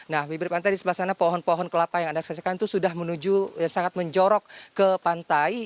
nah bibir pantai di sebelah sana pohon pohon kelapa yang anda saksikan itu sudah menuju sangat menjorok ke pantai